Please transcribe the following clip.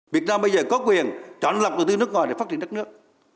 việt nam bây giờ có quyền chọn lập đầu tư nước ngoài để phát triển đất nước